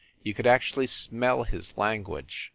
You could actually smell his language.